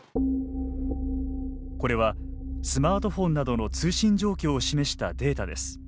これはスマートフォンなどの通信状況を示したデータです。